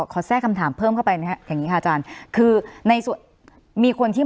แทรกคำถามเพิ่มเข้าไปนะครับอย่างนี้ค่ะอาจารย์คือในส่วนมีคนที่